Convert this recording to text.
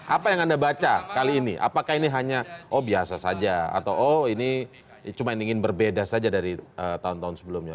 apa yang anda baca kali ini apakah ini hanya oh biasa saja atau oh ini cuma ingin berbeda saja dari tahun tahun sebelumnya